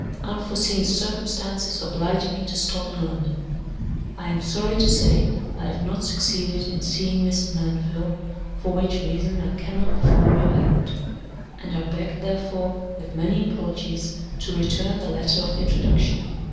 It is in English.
Unforeseen circumstances oblige me to stop in London. I am sorry to say I have not succeeded in seeing Mrs. Mandeville, for which reason I cannot perform your errand; and I beg, therefore, with many apologies, to return the letter of introduction.